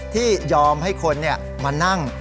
ที่ยอมให้คนเนี่ยมานั่ง